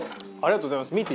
ありがとうございます。